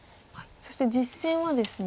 そして実戦はですね。